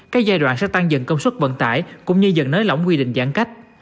các giai đoạn sẽ tăng dần công suất vận tải cũng như dần nới lỏng quy định giãn cách